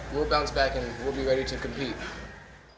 kita akan balas balik dan kita akan siap untuk bergabung